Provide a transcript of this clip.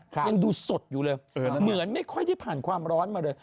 ยังดูสดอยู่เลยเหมือนไม่ค่อยได้ผ่านความร้อนมาเลย